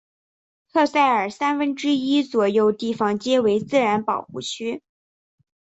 特塞尔三分之一左右地方皆为自然保护区。